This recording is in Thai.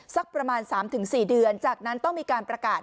สักประมาณ๓๔เดือนจากนั้นต้องมีการประกาศ